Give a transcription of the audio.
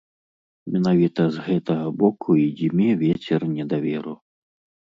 Менавіта з гэтага боку і дзьме вецер недаверу.